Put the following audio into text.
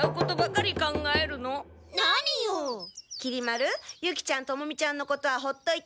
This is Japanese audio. ユキちゃんトモミちゃんのことはほっといて早く帰ろう！